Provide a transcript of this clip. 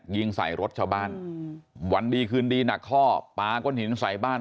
ยิงใส่รถชาวบ้านวันดีคืนดีหนักข้อปลาก้นหินใส่บ้าน